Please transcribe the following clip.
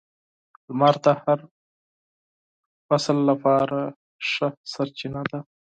• لمر د هر فصل لپاره مهمه سرچینه ده.